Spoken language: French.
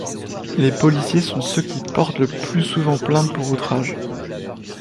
Les policiers sont ceux qui portent le plus souvent plainte pour outrage.